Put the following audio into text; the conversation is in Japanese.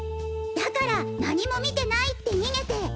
だから何も見てないって逃げて！